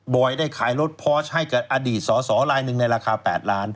อยได้ขายรถพอร์ชให้กับอดีตสอสอลายหนึ่งในราคา๘ล้าน